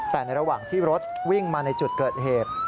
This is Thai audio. แต่ในระหว่างที่รถวิ่งมาในจุดเกิดเหตุ